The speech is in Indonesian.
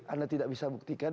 anda tidak bisa buktikan